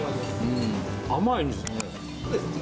甘いんですね。